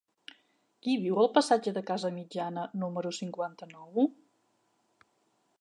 Qui viu al passatge de Casamitjana número cinquanta-nou?